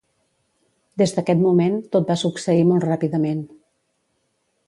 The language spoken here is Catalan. Des d'aquest moment tot va succeir molt ràpidament.